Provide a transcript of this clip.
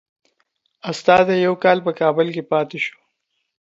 استازی یو کال په کابل کې پاته شو.